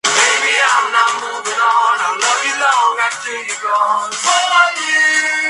Tras la desordenada evacuación del Kubán, Wrangel relevó a Denikin al frente del movimiento.